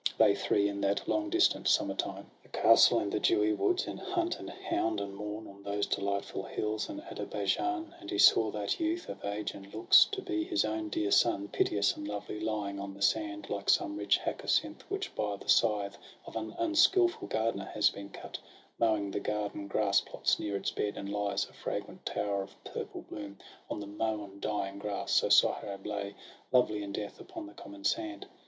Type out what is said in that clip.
They three, in that long distant summer time —■ The castle, and the dewy woods, and hunt And hound, and morn on those delightful hills In Ader baijan. And he saw that Youth, Of age and looks to be his own dear son, Piteous and lovely, lying on the sand, Like some rich hyacinth, which by the scythe SOHRAB AND RUSTUM. iii Of an unskilful gardener has been cut, IMowing the garden grass plots near its bed, And lies, a fragrant tower of purple bloom, On the mown, dying grass — so Sohrab lay, Lovely in death, upon the common sand.